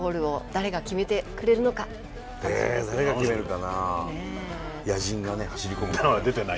誰が決めるかな？